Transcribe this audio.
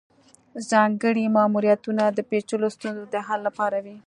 ځانګړي ماموریتونه د پیچلو ستونزو د حل لپاره وي